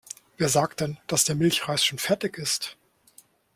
Wer sagt denn, dass der Milchreis schon fertig ist?